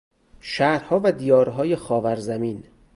شهرها و دیارهای خاورزمین